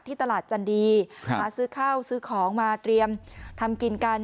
ตลาดจันดีมาซื้อข้าวซื้อของมาเตรียมทำกินกัน